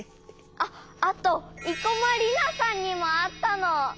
あっあと生駒里奈さんにもあったの。